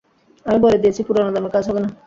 আমি বলে দিয়েছি পুরানো দামে কাজ হবে না।